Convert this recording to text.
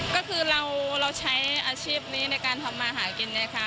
ก็คือเราใช้อาชีพนี้ในการทำมาหากินไงคะ